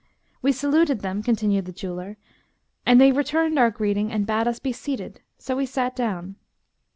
We saluted them" (continued the jeweller) "and they returned our greeting and bade us be seated; so we sat down.